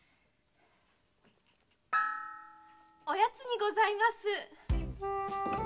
おやつにございます。